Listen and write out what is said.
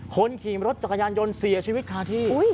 คนขี่รถจักรยานยนต์เสียชีวิตคาที่